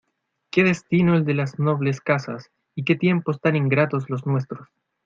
¡ qué destino el de las nobles casas, y qué tiempos tan ingratos los nuestros!